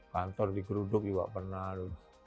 kantor di geruduk juga pernah